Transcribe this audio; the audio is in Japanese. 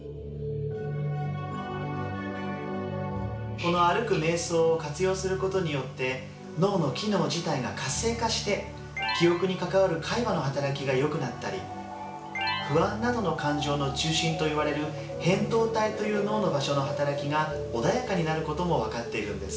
この歩くめい想を活用することによって脳の機能自体が活性化して記憶に関わる海馬の働きがよくなったり不安などの感情の中心といわれる扁桃体という脳の場所の働きが穏やかになることも分かっているんです。